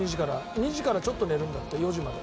２時からちょっと寝るんだって４時まで。